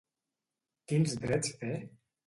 Quins drets té?